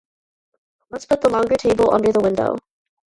Let's put the longer table under the window.